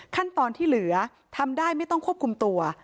ขั้นตอนที่เหลือทำได้ไม่ต้องควบคุมตัว